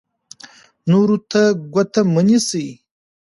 نورو ته ګوته مه نیسئ.